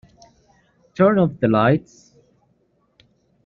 Turn off the lights.